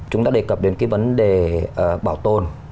chúng ta đề cập đến cái vấn đề bảo tồn